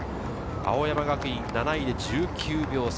青山学院、７位で１９秒差。